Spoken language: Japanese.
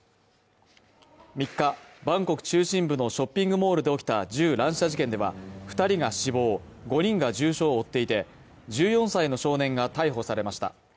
３日バンコク中心部のショッピングモールで起きた銃乱射事件では二人が死亡５人が重傷を負っていて１４歳の少年が逮捕されました